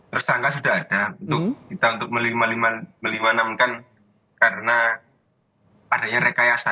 tersangka sudah ada untuk kita untuk meliwanamkan karena adanya rekayasa